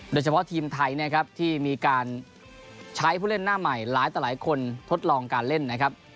โดยเฉพาะทีมไทยนะครับที่มีการใช้ผู้เล่นหน้าใหม่หลายต่อหลายคนทดลองการเล่นนะครับ